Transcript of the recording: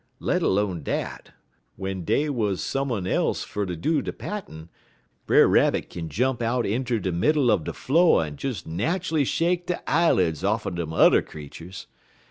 Let 'lone dat, w'en dey wuz some un else fer ter do de pattin', Brer Rabbit kin jump out inter de middle er de flo' en des nat'ally shake de eyel'ds off'en dem yuther creeturs.